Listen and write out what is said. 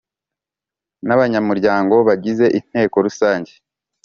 n abanyamuryango bagize Inteko Rusange